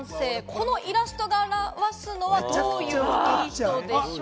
このイラストがあらわすのはどういういい人でしょう？